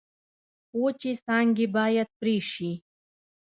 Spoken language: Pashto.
وچې څانګې باید پرې شي.